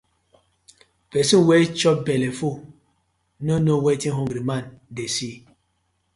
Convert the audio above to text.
Person wey chop belle full, no know wetin hungry man dey see: